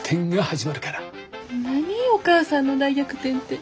何お母さんの大逆転って。